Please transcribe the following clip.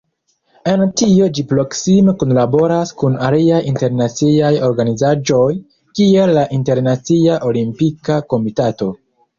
En tio ĝi proksime kunlaboras kun aliaj internaciaj organizaĵoj kiel la Internacia Olimpika Komitato.